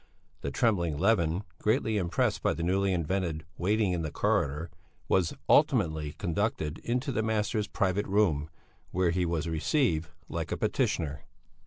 The trembling Levin, greatly impressed by the newly invented waiting in the corridor, was ultimately conducted into the master's private room, where he was received like a petitioner.